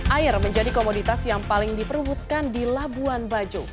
air menjadi komoditas yang paling diperubutkan di labuan bajo